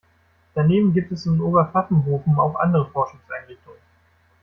Daneben gibt es in Oberpfaffenhofen auch andere Forschungseinrichtungen.